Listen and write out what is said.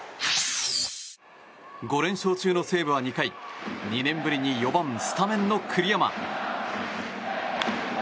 ５連勝中の西武は２回２年ぶりに４番スタメンの栗山。